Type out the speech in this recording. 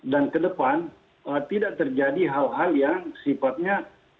dan kedepan tidak terjadi hal hal yang sifatnya